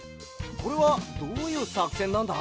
これはどういうさくせんなんだ？